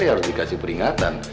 ya harus dikasih peringatan